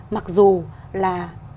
mặc dù là